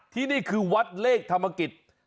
ที่นี่คือวัดเลขธรรมกิจ